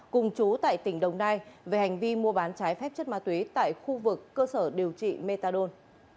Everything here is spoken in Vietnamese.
cùng chú tại tỉnh đồng nai về hành vi mua bán trái phép chất ma túy tại khu vực cơ sở điều trị metadone